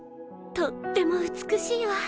とっても美しいわ。